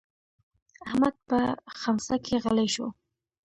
احمد په ښمڅه کې غلی شو.